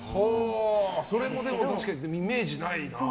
それも確かにイメージないな。